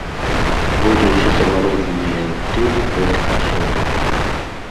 Будуць замарожаныя актывы гэтых асобаў.